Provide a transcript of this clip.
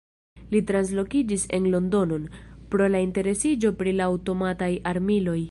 Li translokiĝis en Londonon, pro la interesiĝo pri la aŭtomataj armiloj.